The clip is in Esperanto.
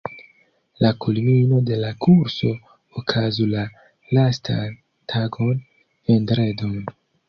La kulmino de la kurso okazu la lastan tagon, vendredon.